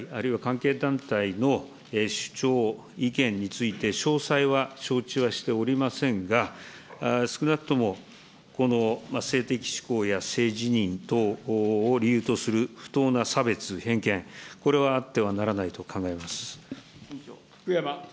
私自身、旧統一教会、あるいは関係団体の主張、意見について、詳細は承知はしておりませんが、少なくともこの性的しこうや性自認等を理由とする不当な差別、偏見、これはあってはならないと考えます。